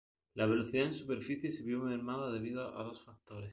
La velocidad en superficie se vio mermada debido a dos factores.